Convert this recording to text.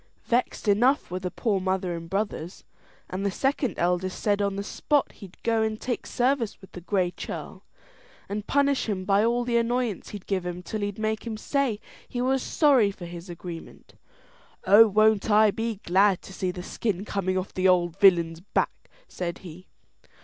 Vexed enough were the poor mother and brothers; and the second eldest said on the spot he'd go and take service with the Gray Churl, and punish him by all the annoyance he'd give him till he'd make him say he was sorry for his agreement. "Oh, won't I be glad to see the skin coming off the old villain's back!" said he.